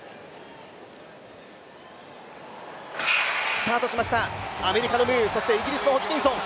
スタートしました、アメリカのムーイギリスのホジキンソン。